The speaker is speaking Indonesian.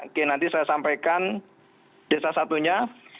oke nanti saya sampaikan desa satunya